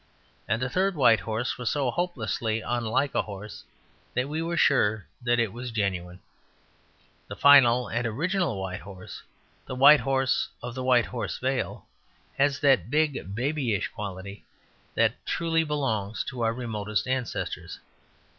And the third white horse was so hopelessly unlike a horse that we were sure that it was genuine. The final and original white horse, the white horse of the White Horse Vale, has that big, babyish quality that truly belongs to our remotest ancestors.